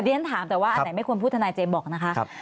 เรียนถามแต่ว่าอันไหนไม่ควรพูดทนายเจมส์บอกนะคะ